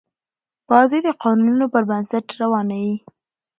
بازي د قانونونو پر بنسټ روانه يي.